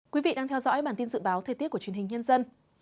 quý vị đang theo dõi bản tin dự báo thời tiết của truyền hình nhân dân